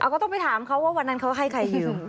ก็ต้องไปถามเขาว่าวันนั้นเขาให้ใครหิว